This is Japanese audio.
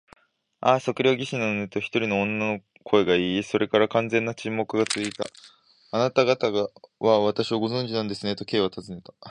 「ああ、測量技師なのね」と、一人の女の声がいい、それから完全な沈黙がつづいた。「あなたがたは私をご存じなんですね？」と、Ｋ はたずねた。